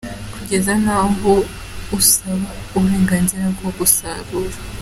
kugeza n’aho usaba uburenganzira bwo gusarura!!